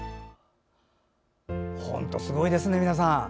本当にすごいですね皆さん。